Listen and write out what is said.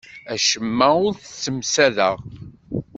Acemma ur t-ssemsadeɣ.